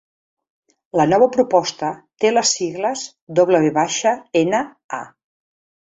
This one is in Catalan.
La nova proposta té les sigles WNA.